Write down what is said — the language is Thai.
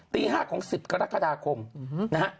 ตี๕ของ๑๐กรกฎาคมนะฮะ